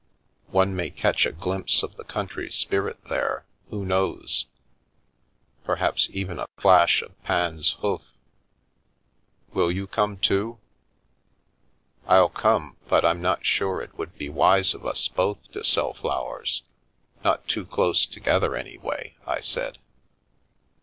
One may catch a glimpse of the country spirit there, who knows ? Perhaps even a flash of Pan's hoof. Will you come too?" " I'll come, but I'm not sure it would be wise of us both to sell flowers; not too close together, anyway," I said.